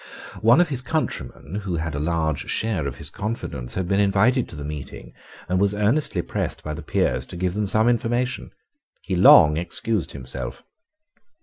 One of his countrymen, who had a large share of his confidence, had been invited to the meeting, and was earnestly pressed by the Peers to give them some information. He long excused himself.